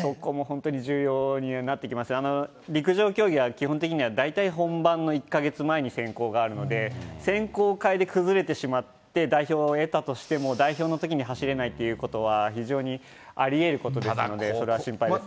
そこも本当に重要になってきますし、陸上競技は基本的には大体本番の１か月前に選考があるので、選考会で崩れてしまって代表を得たとしても代表のときに走れないということは非常にありえることですので、それは心配ですね。